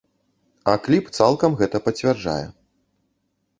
А кліп цалкам гэта пацвярджае.